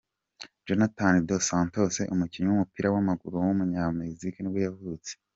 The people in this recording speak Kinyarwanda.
Jonathan dos Santos, umukinnyi w’umupira w’amaguru w’umunyamegizike nibwo yavutse.